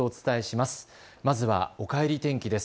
まずはおかえり天気です。